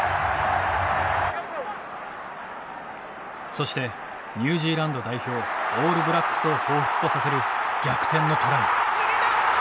そしてニュージーランド代表オールブラックスを彷彿とさせる逆転のトライ。